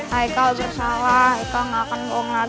hai kau salah kau gak akan bohong lagi